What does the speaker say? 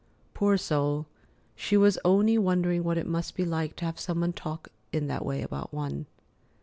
Poor soul, she was only wondering what it must be like to have some one talk in that way about one.